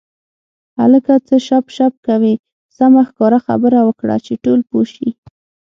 هلکه څه شپ شپ کوې سمه ښکاره خبره وکړه چې ټول پوه شي.